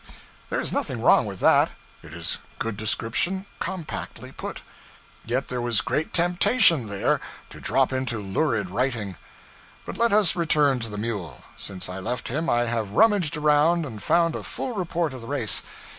There is nothing the matter with that. It is good description, compactly put. Yet there was great temptation, there, to drop into lurid writing. But let us return to the mule. Since I left him, I have rummaged around and found a full report of the race.